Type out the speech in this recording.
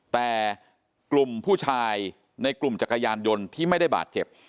แต่กลุ่มผู้ชายในกลุ่มจักรยานยนต์ที่ไม่ได้บาดเจ็บ